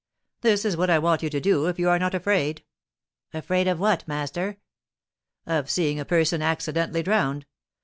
'This is what I want you to do if you are not afraid ' 'Afraid of what, master?' 'Of seeing a person accidentally drowned.